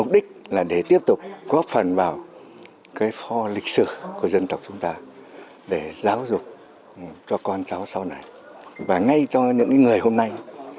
để tiếp tục góp phần vào cái pho lịch sử của dân tộc chúng ta để giáo dục cho con cháu sau này và ngay cho những người hôm nay